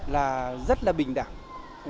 là rất là bình đẳng